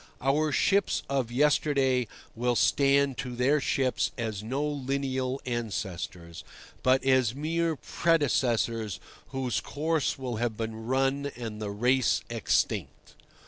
Our ships of yesterday will stand to their ships as no lineal ancestors, but as mere predecessors whose course will have been run and the race extinct.